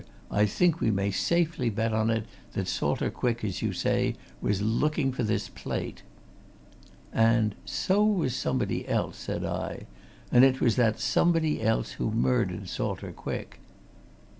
I think we may safely bet on it that Salter Quick, as you say, was looking for this plate!" "And so was somebody else," said I. "And it was that somebody else who murdered Salter Quick."